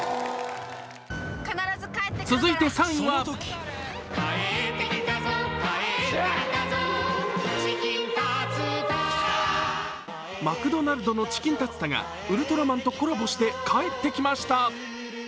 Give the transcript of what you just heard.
続いて３位はマクドナルドのチキンタツタがウルトラマンとコラボして帰ってきました。